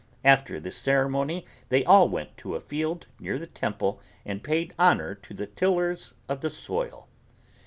After this ceremony they all went to a field near the temple and paid honor to the tillers of the soil.